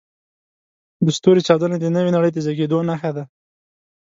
د ستوري چاودنه د نوې نړۍ د زېږېدو نښه ده.